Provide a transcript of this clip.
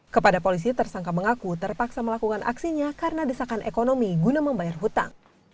kepada polisi tersangka mengaku terpaksa melakukan aksinya karena desakan ekonomi guna membayar hutang